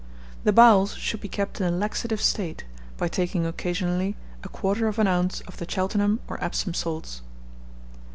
The bowels should be kept in a laxative state, by taking occasionally a quarter of an ounce of the Cheltenham or Epsom salts.